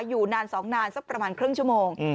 อยู่นาน๒นานสักประมาณครึ่งชั่วโมง